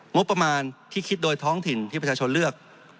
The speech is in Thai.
งบประมาณที่คิดโดยท้องถิ่นที่ประชาชนเลือก